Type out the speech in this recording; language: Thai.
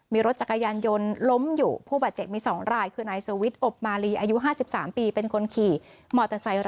มีรถจักรยานยนต์ล้มอยู่ผู้บาดเจ็บมี๒รายคือนายสวิทย์อบมาลีอายุ๕๓ปีเป็นคนขี่มอเตอร์ไซค์